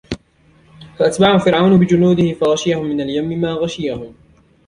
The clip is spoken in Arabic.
فَأَتْبَعَهُمْ فِرْعَوْنُ بِجُنُودِهِ فَغَشِيَهُمْ مِنَ الْيَمِّ مَا غَشِيَهُمْ